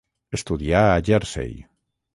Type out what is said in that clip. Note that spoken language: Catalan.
Estudià a Jersey.